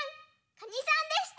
カニさんでした。